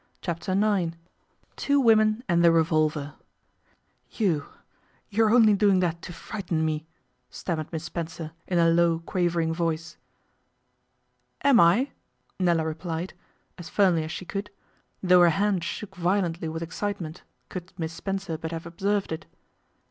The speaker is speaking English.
Chapter Nine TWO WOMEN AND THE REVOLVER 'YOU you're only doing that to frighten me,' stammered Miss Spencer, in a low, quavering voice. 'Am I?' Nella replied, as firmly as she could, though her hand shook violently with excitement, could Miss Spencer but have observed it.